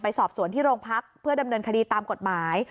สอบสวนที่โรงพักเพื่อดำเนินคดีตามกฎหมาย